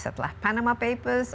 setelah panama papers